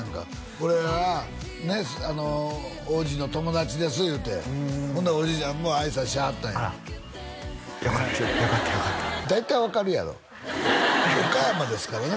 これはね央士の友達ですいうてほんならおじいちゃんもあいさつしはったんやあらっよかったよかったよかった大体分かるやろ岡山ですからね